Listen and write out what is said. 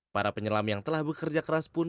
para penyelam yang telah bekerja keras pun